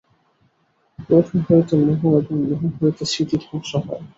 ক্রোধ হইতে মোহ এবং মোহ হইতে স্মৃতিধ্বংস হয়।